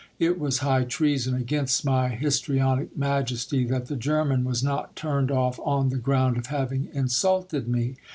It was high treason against my histrionic majesty, that the German was not turned off on the ground of having insulted me.